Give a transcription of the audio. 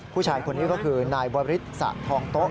ผู้ชายคนนี้ก็คือนายวริสสะทองโต๊ะ